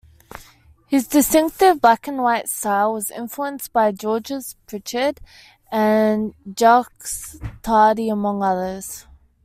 His distinctive black-and-white style was influenced by Georges Pichard and Jacques Tardi, among others.